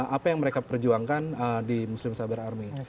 apa yang mereka perjuangkan di muslim cyber army